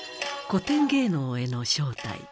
「古典芸能への招待」。